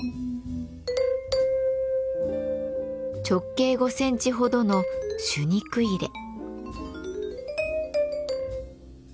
直径５センチほどの朱肉入れ。